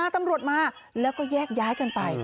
ตำรวจมาแล้วก็แยกย้ายกันไป